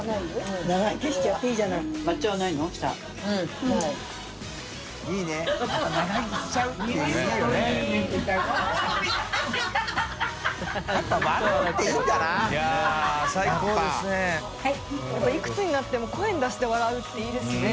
やっぱいくつになっても声に出して笑うっていいですね。